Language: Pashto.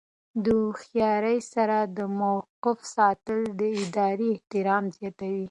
د هوښیارۍ سره د موقف ساتل د ادارې احترام زیاتوي.